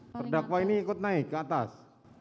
terdakwa ini ikut naik ke atas